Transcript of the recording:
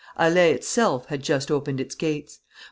Alais itself had just opened its gates.